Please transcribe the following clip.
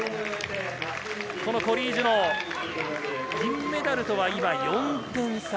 このコリー・ジュノー、銀メダルとは今４点差。